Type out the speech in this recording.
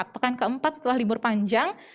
pekan ke empat setelah libur panjang